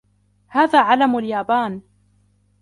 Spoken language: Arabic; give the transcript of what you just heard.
هذا علم اليابان.